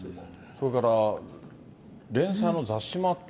それから連載の雑誌もあって。